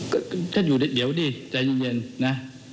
ก็ฉันอยู่เดี๋ยวดิใจเย็นนะ